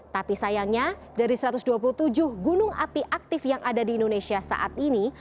tapi sayangnya dari satu ratus dua puluh tujuh gunung api aktif yang ada di indonesia saat ini